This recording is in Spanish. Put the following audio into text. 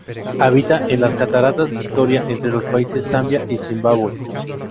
Habita en las Cataratas Victoria entre los países Zambia y Zimbabue.